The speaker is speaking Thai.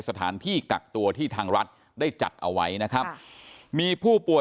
สถานที่กักตัวที่ทางรัฐได้จัดเอาไว้นะครับมีผู้ป่วย